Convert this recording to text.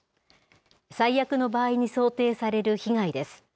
最悪の場合に想定される被害です。